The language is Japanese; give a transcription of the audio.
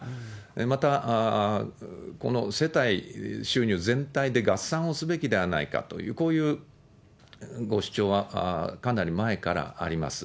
また、この世帯収入全体で合算をすべきではないかという、こういうご主張はかなり前からあります。